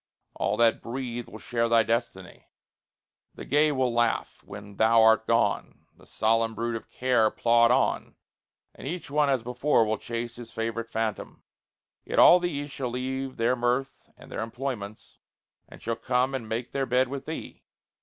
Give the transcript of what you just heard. All that breathe Will share thy destiny. The gay will laugh When thou art gone, the solemn brood of care Plod on, and each one as before will chase His favorite phantom; yet all these shall leave Their mirth and their employments, and shall come And make their bed with thee.